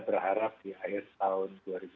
berharap di akhir tahun